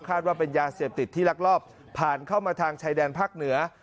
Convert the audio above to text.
ว่าเป็นยาเสพติดที่ลักลอบผ่านเข้ามาทางชายแดนภาคเหนือ